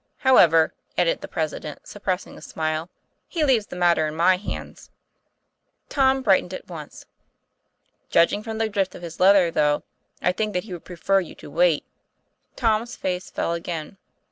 "However," added the President, suppressing a smile, "he leaves the matter in my hands." Tom brightened at once. 'Judging from the drift of his letter, though, I think that he would prefer you to wait." Tom's face fell again.